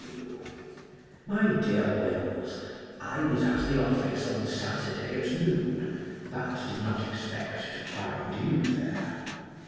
W. My Dear Wills :— I was at the office on Saturday at Noon, but did not expect to find you there.